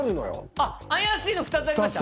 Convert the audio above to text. あっ怪しいの２つありました？